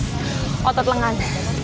keras otot lengan